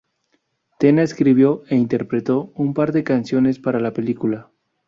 Tena escribió e interpretó un par de canciones para la película.